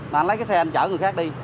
mà anh lấy cái xe anh chở người khác đi